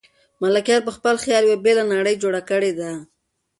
ملکیار په خپل خیال یوه بېله نړۍ جوړه کړې ده.